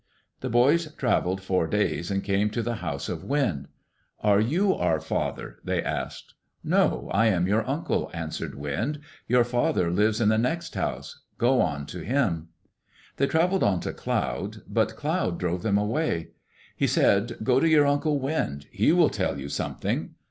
The boys travelled four days and came to the house of Wind. "Are you our father?" they asked. "No, I am your Uncle," answered Wind." Your father lives in the next house. Go on to him." They travelled on to Cloud. But Cloud drove them away. He said, "Go to your uncle Wind. He will tell you something."